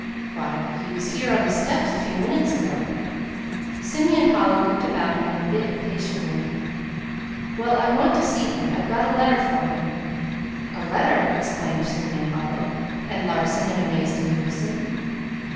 "Why, he was here on the steps a few minutes ago." Simeon Holly looked about him a bit impatiently. "Well, I want to see him. I've got a letter for him." "A letter!" exclaimed Simeon Holly and Larson in amazed unison.